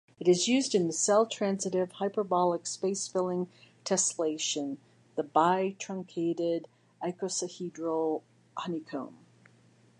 It is used in the cell-transitive hyperbolic space-filling tessellation, the bitruncated icosahedral honeycomb.